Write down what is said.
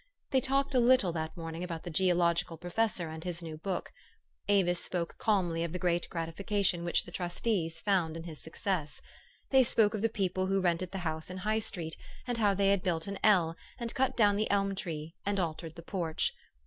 They talked a little that morning about the geological professor and his new book. Avis spoke calmly of the great gratification THE STORY OF AVIS. 453 which the trustees found in his success. They spoke of the people who rented the house in High Street, and how they had built an L, and cut down the elm tree, and altered the porch.